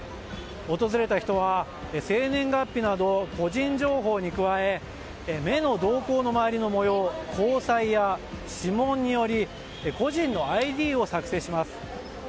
訪れた人は、生年月日などの個人情報に加え目の瞳孔の周りの模様、虹彩や指紋により個人のＩＤを作成します。